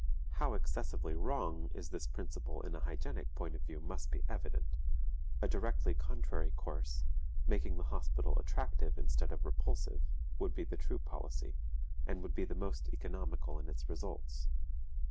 How excessively wrong is this principle in a hygienic point of view must be evident; a directly contrary course, making the hospital attractive instead of repulsive, would be the true policy, and would be the most economical in its results.